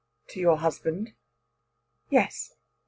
"To your husband?" "Yes."